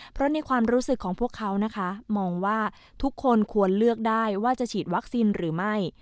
เพราะในความรู้สึกของพวกเขานะคะมองว่าทุกคนควรเลือกได้ว่าจะฉีดวัคซีนหรือไม่